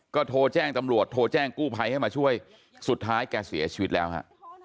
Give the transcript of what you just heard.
ก็โทรแจ้งตำรวจโทรแจ้งกู้ภัยให้มาช่วยสุดท้ายแกเสียชีวิตแล้วฮะ